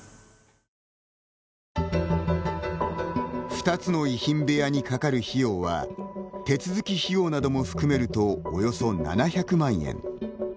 ２つの遺品部屋にかかる費用は手続き費用なども含めるとおよそ７００万円。